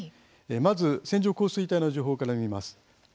まず線状降水帯の情報から見ます。